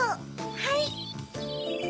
はい。